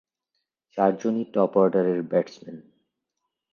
চারজনই top অর্ডারের batsman.